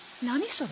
それ。